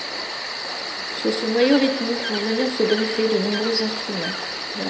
Sur ce noyau rythmique vont venir se greffer de nombreux instruments.